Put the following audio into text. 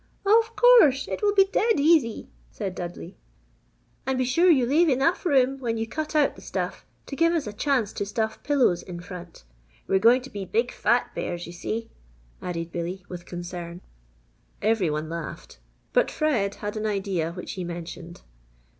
"Of course! It will be dead easy!" said Dudley. "And be sure you leave enough room when you cut out the stuff, to give us a chance to stuff pillows in front. We're going to be big fat bears, you see," added Billy, with concern. Every one laughed, but Fred had an idea which he mentioned.